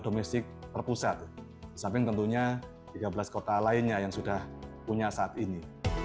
domestik terpusat di samping tentunya tiga belas kota lainnya yang sudah punya saat ini